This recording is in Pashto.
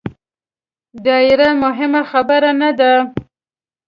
داډیره مهمه خبره نه ده